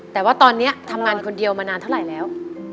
แต่ว่าตอนนี้ทำงานคนเดียวมานานเท่าไหร่แล้ว